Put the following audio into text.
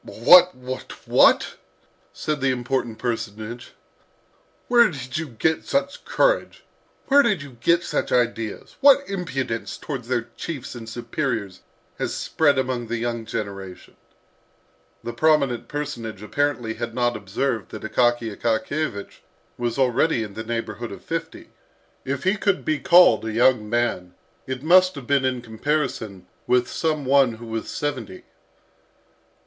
"What, what, what!" said the important personage. "Where did you get such courage? Where did you get such ideas? What impudence towards their chiefs and superiors has spread among the young generation!" The prominent personage apparently had not observed that Akaky Akakiyevich was already in the neighbourhood of fifty. If he could be called a young man, it must have been in comparison with some one who was seventy.